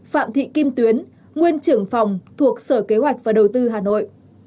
sáu phạm thị kim tuyến nguyên trưởng phòng thuộc sở kế hoạch và đầu tư hà nội